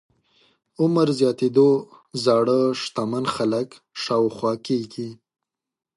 عمر زياتېدو زاړه شتمن خلک شاوخوا کېږي.